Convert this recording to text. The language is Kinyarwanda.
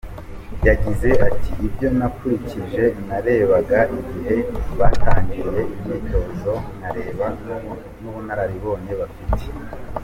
Yagize ati “Ibyo nakurikije, narebaga igihe batangiriye imyitozo nkareba n’ubunararibonye bafite.